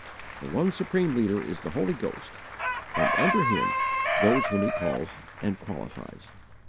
The one supreme Leader is the Holy Ghost, and under Him those whom He calls and qualifies.